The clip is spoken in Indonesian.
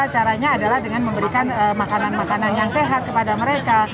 caranya adalah dengan memberikan makanan makanan yang sehat kepada mereka